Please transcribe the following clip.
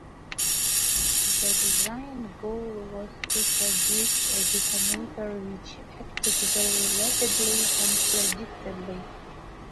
The design goal was to produce a detonator which acted very rapidly and predictably.